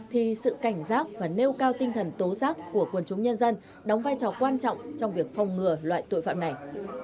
thì sự cảnh giác và nêu cao tinh thần tố giác của quần chúng nhân dân đóng vai trò quan trọng trong việc phòng ngừa loại tội phạm này